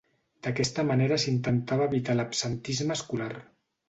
D'aquesta manera s'intentava evitar l'absentisme escolar.